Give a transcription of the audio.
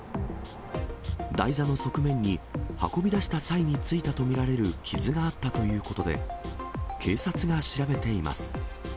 台座の側面に、運び出した際についたと見られる傷があったということで、警察が調べています。